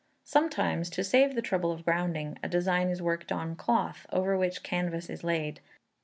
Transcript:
Sometimes, to save the trouble of grounding, a design is worked on cloth, over which canvas is laid.